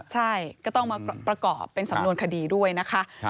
ใช่ก็ต้องมาประกอบเป็นสำนวนคดีด้วยนะคะ